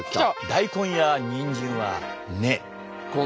大根やにんじんは根。